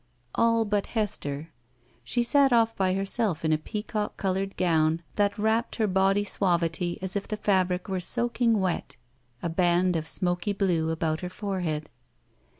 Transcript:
All but Hester, She sat ofiE by herself in a pea cock colored gown that wrapped her body suavity as if the fabric were soaking wet, a band of smol^ blue about her forehead.